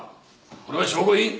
これは証拠品。